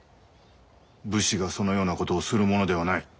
武士がそのようなことをするものではない。